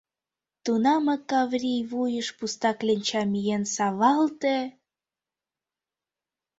Тунамак Каврий вуйыш пуста кленча миен савалте...